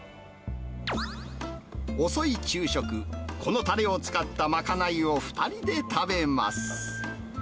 遅い昼食、このたれを使った賄いを２人で食べます。